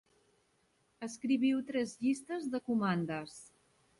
Escriviu tres llistes de comandes.